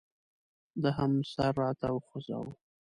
ده هم سر راته وخوځاوه.